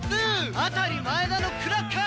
あたり前田のクラッカー！